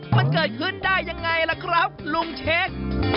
มันเกิดขึ้นได้ยังไงล่ะครับลุงเช็ค